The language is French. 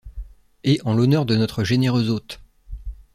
Et en l’honneur de notre généreux hôte!